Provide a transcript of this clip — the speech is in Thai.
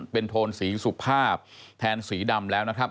เป็นโทนสีสุภาพแทนสีดำแล้วนะครับ